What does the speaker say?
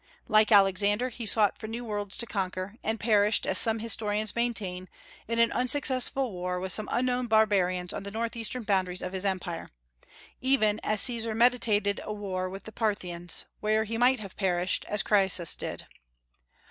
Like Alexander, he sought for new worlds to conquer, and perished, as some historians maintain, in an unsuccessful war with some unknown barbarians on the northeastern boundaries of his empire, even as Caesar meditated a war with the Parthians, where he might have perished, as Crassus did.